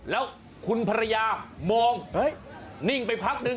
แล้วคุณภรรยามองนิ่งไปพักหนึ่ง